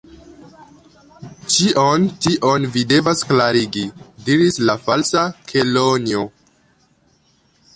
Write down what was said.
"Ĉion tion vi devas klarigi," diris la Falsa Kelonio.